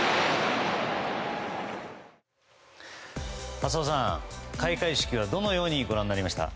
浅尾さん、開会式はどのようにご覧になりました。